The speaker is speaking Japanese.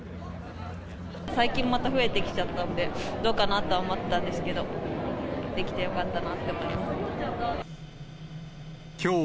最近また増えてきちゃったんで、どうかなとは思ったんですけど、できてよかったなって思いま